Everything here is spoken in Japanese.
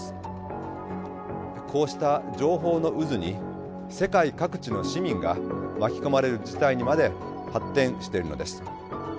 こうした情報の渦に世界各地の市民が巻き込まれる事態にまで発展しているのです。